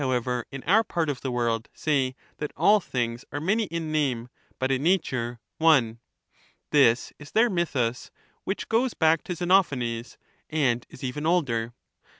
however, in our part of the world, say that all things are many in name, but in nature one ; this is their mythus, which goes back to Xenophanes, and is even older.